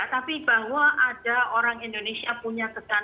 tapi bahwa ada orang indonesia punya kesan kesan seperti itu